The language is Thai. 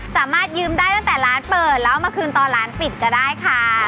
สามารถยืมได้ตั้งแต่ร้านเปิดแล้วเอามาคืนตอนร้านปิดก็ได้ค่ะ